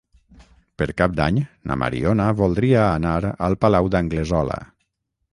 Per Cap d'Any na Mariona voldria anar al Palau d'Anglesola.